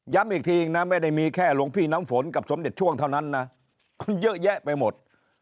อีกทีนะไม่ได้มีแค่หลวงพี่น้ำฝนกับสมเด็จช่วงเท่านั้นนะเยอะแยะไปหมด